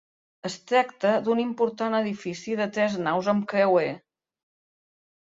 Es tracta d'un important edifici de tres naus amb creuer.